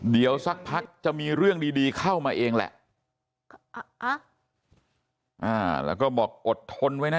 เดี๋ยวสักพักจะมีเรื่องดีดีเข้ามาเองแหละอ่าแล้วก็บอกอดทนไว้นะ